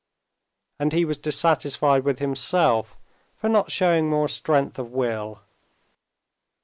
and he was dissatisfied with himself for not showing more strength of will.